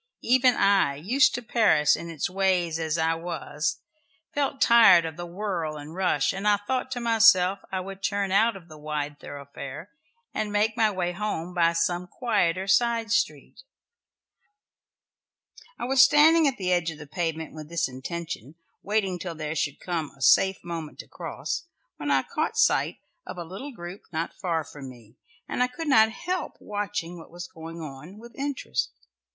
Even I, used to Paris and its ways as I was, felt tired of the whirl and rush, and I thought to myself I would turn out of the wide thoroughfare and make my way home by some quieter side street. I was standing at the edge of the pavement with this intention, waiting till there should come a safe moment to cross, when I caught sight of a little group not far from me, and I could not help watching what was going on, with interest.